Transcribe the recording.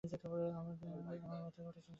আমার মাথায় গোটা বের হয়েছে আর এগুলো অনেক চুলকায়।